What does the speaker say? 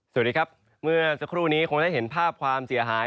สวัสดีครับเมื่อสักครู่นี้คงได้เห็นภาพความเสียหาย